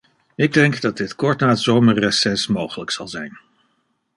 Ik denk dat dit kort na het zomerreces mogelijk zal zijn.